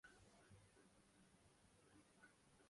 اس کے برخلاف ویلفیئر ریاست میں فرد مقدم ہوتا ہے۔